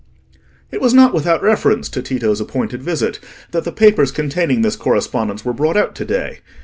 It was not without reference to Tito's appointed visit that the papers containing this correspondence were brought out to day.